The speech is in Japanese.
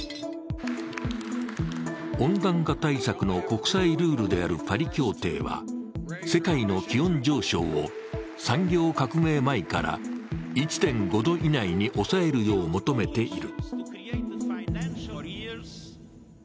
温暖化対策の国際ルールであるパリ協定は世界の気温上昇を産業革命前から１．５度以内に抑えるよう求めている。